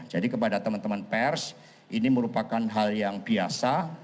jadi kepada teman teman pers ini merupakan hal yang biasa